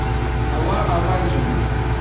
ئەوە ئامانجم بوو.